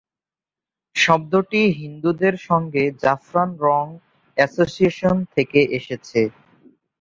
শব্দটি হিন্দুদের সঙ্গে জাফরান রঙ এ্যাসোসিয়েশন থেকে এসেছে।